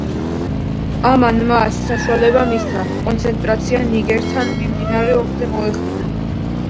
ამან მას საშუალება მისცა კონცენტრაცია ნიგერთან მიმდინარე ომზე მოეხდინა.